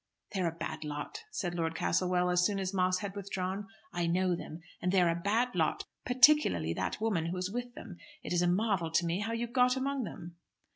"They are a bad lot," said Lord Castlewell, as soon as Moss had withdrawn. "I know them, and they are a bad lot, particularly that woman who is with them. It is a marvel to me how you got among them."